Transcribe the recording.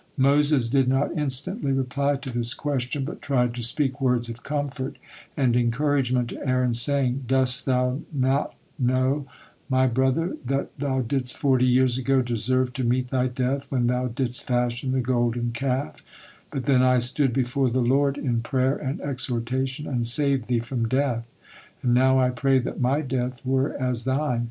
Moses did not instantly reply to this question, but tried to speak words of comfort and encouragement to Aaron, saying: "Dost thou not know, my brother, that thou didst forty years ago deserve to meet thy death when thou didst fashion the Golden Calf, but then I stood before the Lord in prayer and exhortation, and saved thee from death. And now I pray that my death were as thine!